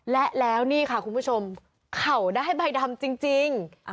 และแล้วคุณผู้ชมขาวได้ใบดำจริง